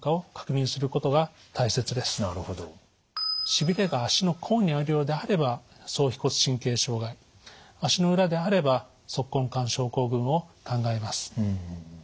しびれが足の甲にあるようであれば総腓骨神経障害足の裏であれば足根管症候群を考えます。